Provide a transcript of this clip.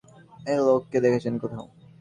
এই লোককে দেখছেন, কোথাও?